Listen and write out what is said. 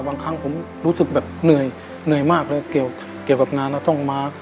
บางครั้งผมรู้สึกแบบเหนื่อยเหนื่อยมากเลยเกี่ยวกับงานแล้วต้องมา